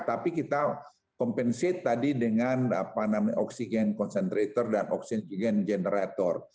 tapi kita kompensate tadi dengan oksigen concentrator dan oksigen generator